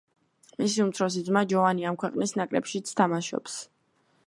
მისი უმცროსი ძმა, ჯოვანი, ამ ქვეყნის ნაკრებშიც თამაშობს.